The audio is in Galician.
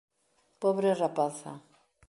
Pobre rapaza.